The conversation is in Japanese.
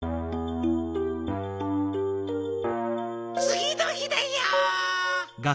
つぎのひだよ。